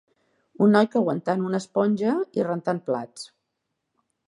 Un noi que aguantant una esponja i rentant plats.